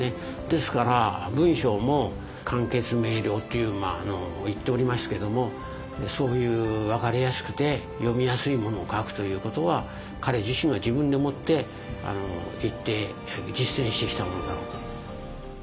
ですから文章も簡潔明瞭っていう言っておりますけどもそういう分かりやすくて読みやすいものを書くということは彼自身が自分で思って言って実践してきたものだと。